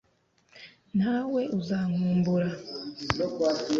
ntawe uzankumbura